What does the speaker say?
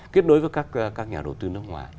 kết nối với các nhà đầu tư nước ngoài